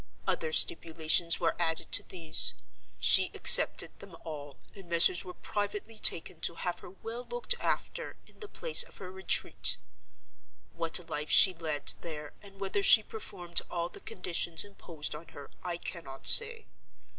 Other stipulations were added to these. She accepted them all; and measures were privately taken to have her well looked after in the place of her retreat. What life she led there, and whether she performed all the conditions imposed on her, I cannot say.